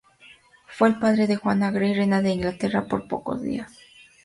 Fue el padre de Juana Grey, reina de Inglaterra por pocos días.